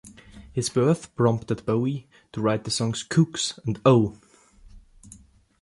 His birth prompted Bowie to write the songs "Kooks" and "Oh!